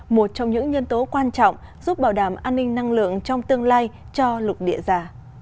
một trong những nhân tố quan trọng giúp bảo đảm an ninh năng lượng trong tương lai cho lục địa già